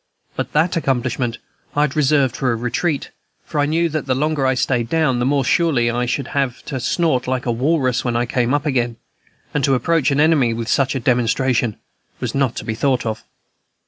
But that accomplishment I had reserved for a retreat, for I knew that the longer I stayed down the more surely I should have to snort like a walrus when I came up again, and to approach an enemy with such a demonstration was not to be thought of.